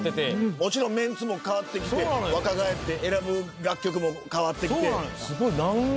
もちろんメンツもかわってきて若返って選ぶ楽曲も変わってきて。